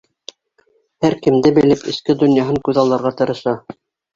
Һәр кемде белеп, эске донъяһын күҙалларға тырыша.